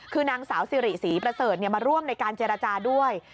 คือนางสาวสิริศรีประเสริฐมาร่วมในการเจรจาด้วย